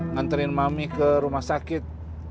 nganterin mami ke rumah sakit